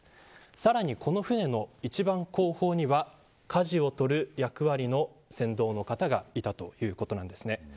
さらにこの舟の一番後方にはかじを取る役割の船頭の方がいたということなんです。